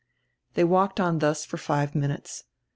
They walked on dius for five minutes.